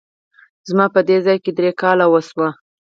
زما په دې ځای کي درې کاله وشوه !